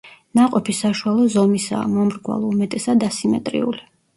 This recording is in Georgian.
ნაყოფი საშუალო ზომისაა, მომრგვალო, უმეტესად ასიმეტრიული.